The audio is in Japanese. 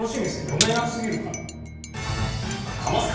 読めなすぎるから。